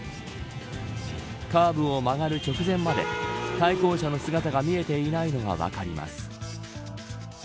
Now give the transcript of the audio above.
カーブを曲がる直前まで対向車の姿が見えていないのが分かります。